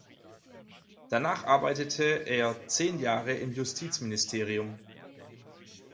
Danach arbeitete er zehn Jahre im Justizministerium.